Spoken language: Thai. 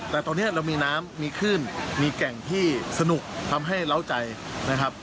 แต่ตอนนี้เรามีน้ำมีขึ้นมีแก่งที่สนุกทำให้เล้าใจนะครับ